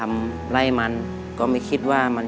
แม่คะแม่รู้สึกยังไง